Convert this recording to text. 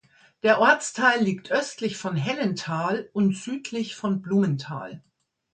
Der Ortsteil liegt östlich von Hellenthal und südlich von Blumenthal.